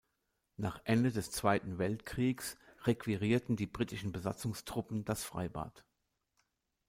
Nach Ende des Zweiten Weltkriegs requirierten die britischen Besatzungstruppen das Freibad.